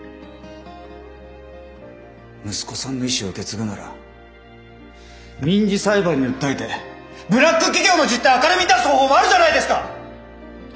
息子さんの遺志を受け継ぐなら民事裁判に訴えてブラック企業の実態を明るみに出す方法もあるじゃないですか！